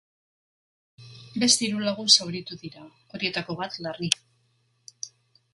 Beste hiru lagun zauritu dira, horietako bat larri.